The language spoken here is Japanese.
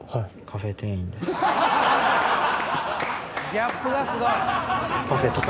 ギャップがすごい。